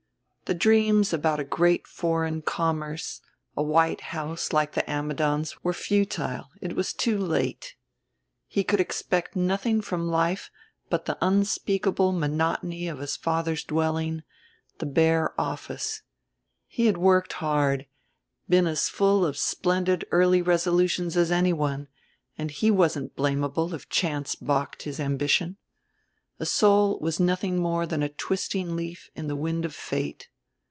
The dreams about a great foreign commerce, a white house like the Ammidons', were futile; it was too late. He could expect nothing from life but the unspeakable monotony of his father's dwelling, the bare office. He had worked hard, been as full of splendid early resolutions as anyone, and he wasn't blamable if chance balked his ambition. A soul was nothing more than a twisting leaf in the wind of fate.